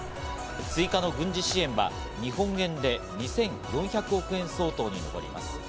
追加の軍事支援は日本円で２４００億円相当に上ります。